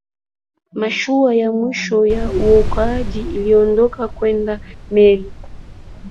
mashua ya mwisho ya uokoaji iliondoka kwenye meli